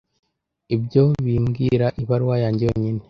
ibyo bimbwira ibaruwa yanjye yonyine.